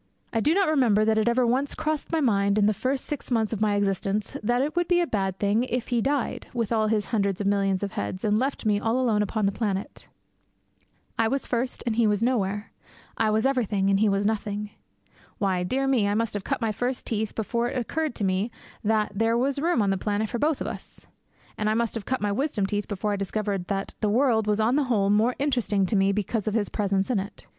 I do not remember that it ever once crossed my mind in the first six months of my existence that it would be a bad thing if he died, with all his hundreds of millions of heads, and left me all alone upon the planet. I was first, and he was nowhere. I was everything, and he was nothing. Why, dear me, I must have cut my first teeth before it occurred to me that there was room on the planet for both of us; and I must have cut my wisdom teeth before I discovered that the world was on the whole more interesting to me because of his presence on it.